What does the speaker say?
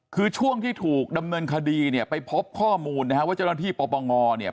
คือช่วงที่ถูกดำเนินคดีเนี่ยไปพบข้อมูลนะฮะว่าเจ้าหน้าที่ปปงเนี่ย